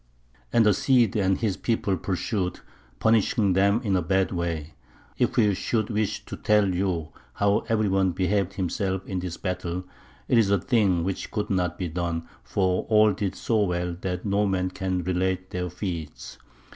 And the Cid and his people pursued, punishing them in a bad way. If we should wish to tell you how every one behaved himself in this battle, it is a thing which could not be done, for all did so well that no man can relate their feats.